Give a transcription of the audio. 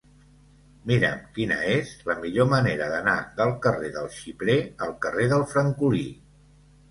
Mira'm quina és la millor manera d'anar del carrer del Xiprer al carrer del Francolí.